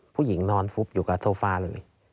ผู้หญิงนอนปุ๊บอยู่กับโซฟาเลย